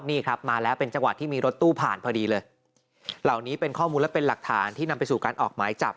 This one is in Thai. นี่ครับมาแล้วเป็นจังหวะที่มีรถตู้ผ่านพอดีเลยเหล่านี้เป็นข้อมูลและเป็นหลักฐานที่นำไปสู่การออกหมายจับ